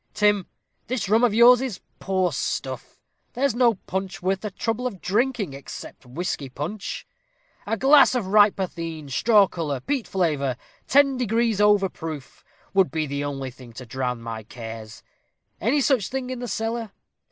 Tim, this rum of yours is poor stuff there's no punch worth the trouble of drinking, except whisky punch. A glass of right potheen, straw color, peat flavor, ten degrees over proof, would be the only thing to drown my cares. Any such thing in the cellar?